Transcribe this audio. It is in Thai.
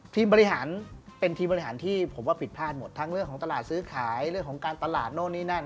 ทีมบริหารเป็นทีมบริหารที่ผมว่าผิดพลาดหมดทั้งเรื่องของตลาดซื้อขายเรื่องของการตลาดโน่นนี่นั่น